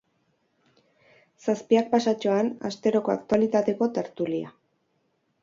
Zazpiak pasatxoan, asteroko aktualitateko tertulia.